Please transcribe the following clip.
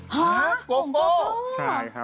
หาจะโกโก้